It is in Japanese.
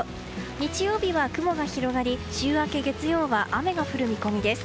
日曜日は雲が広がり週明け月曜は雨の降る見込みです。